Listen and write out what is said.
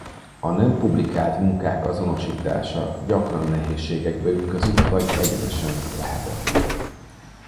A nem publikált munkák azonosítása gyakran nehézségekbe ütközik vagy egyenesen lehetetlen.